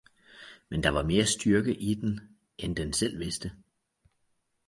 Men der var mere styrke i den, end den selv vidste.